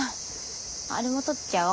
あれも撮っちゃおう。